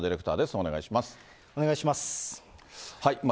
お願いします。